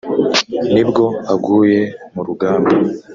nibwo aguye mu rugamba